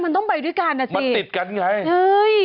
มันต้องไปด้วยกันอ่ะสิมันติดกันไงเอ้ย